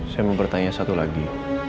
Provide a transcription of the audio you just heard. saya mau bertanya satu lagi